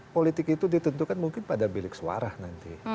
politik itu ditentukan mungkin pada bilik suara nanti